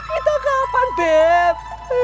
itu kapan beb